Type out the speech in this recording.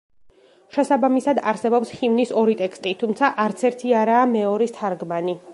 შესაბამისად არსებობს ჰიმნის ორი ტექსტი, თუმცა არც ერთი არაა მეორის თარგმანი.